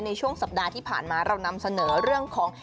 ในช่วงสัปดาห์ที่ผ่านมาเรานำเสนอเรื่องของ